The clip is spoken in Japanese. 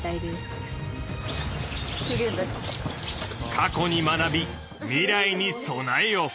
過去に学び未来に備えよ。